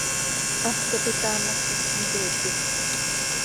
Hap cop itaamalca quij imqueetij.